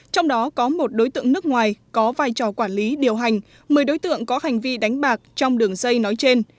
trong đó có một đối tượng nước ngoài có vai trò quản lý điều hành một mươi đối tượng có hành vi đánh bạc trong đường dây nói trên